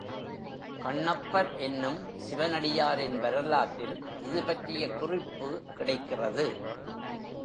கண்ணப்பர் என்னும் சிவனடியாரின் வரலாற்றில் இது பற்றிய குறிப்பு கிடைக்கிறது.